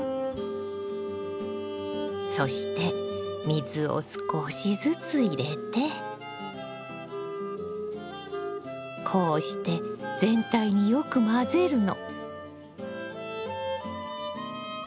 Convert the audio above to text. そして水を少しずつ入れてこうして全体によく混ぜるの。